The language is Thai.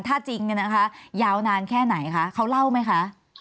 ถ้าจริงเนี่ยนะคะยาวนานแค่ไหนคะเขาเล่าไหมคะ